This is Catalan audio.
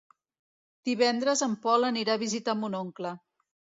Divendres en Pol anirà a visitar mon oncle.